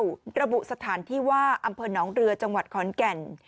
ระบุสถานที่ว่าอำเภอหนองเรือจังหวัดขอนแก่น